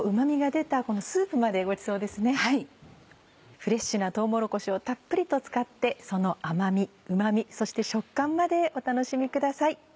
フレッシュなとうもろこしをたっぷりと使ってその甘味うま味そして食感までお楽しみください。